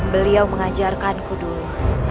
beliau mengajarkanku dulu